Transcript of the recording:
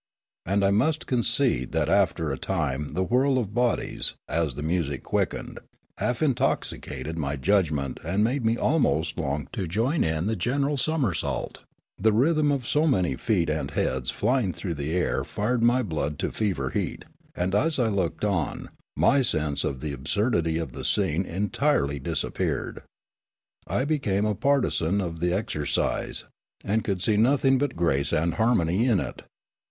And I must concede that after a time the whirl of bodies, as the music quickened, half intoxicated my judgment and made me almost long to join in the general somer sault ; the rhythm of so many feet and heads flying through the air fired my blood to fever heat, and as I looked on, my sense of the absurdity of the scene entirely disappeared ; I became a partisan of the exer cise and could see nothing but grace and harmony in it.